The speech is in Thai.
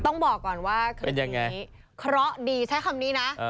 ต้องบอกก่อนว่าคือเคราะห์ดีใช้คำนี้นะ